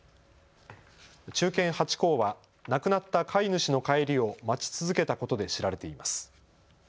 忠犬ハチ公は亡くなった飼い主の帰りを待ち続けたことで知られています。